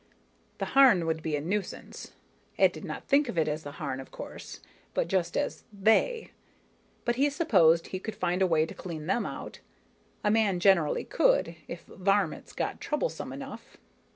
The Harn would be a nuisance Ed did not think of it as the Harn, of course, but just as "they" but he supposed he could find a way to clean them out. A man generally could, if varmints got troublesome enough.